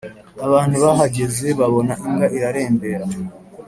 abantu bahageze babona imbwa irarembera.